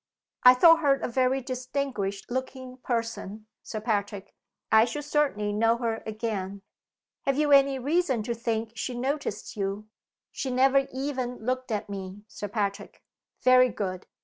"I thought her a very distinguished looking person, Sir Patrick. I should certainly know her again." "Have you any reason to think she noticed you?" "She never even looked at me, Sir Patrick." "Very good.